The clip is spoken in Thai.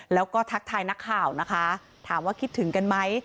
แล้วก็ทักทายนักข่าวนะคะถามว่าคิดถึงกันไหม